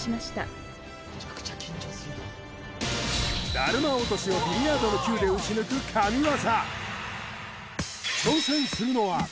だるま落としをビリヤードのキューで打ち抜く神業